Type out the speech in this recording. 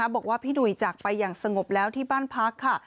บอกว่าพี่หนุ่ยจากไปอย่างสงบแล้วที่บ้านพักค่ะ